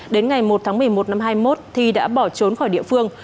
đến ngày một tháng một mươi một năm hai mươi một thi đã bỏ trốn khỏi địa phương